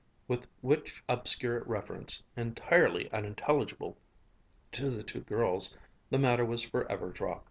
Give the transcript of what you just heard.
With which obscure reference, entirely unintelligible to the two girls, the matter was forever dropped.